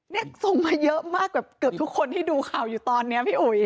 เนี่ยส่งมาเยอะมากแบบเกือบทุกคนที่ดูข่าวอยู่ตอนนี้พี่อุ๋ย